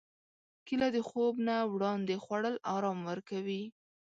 کېله د خوب نه وړاندې خوړل ارام ورکوي.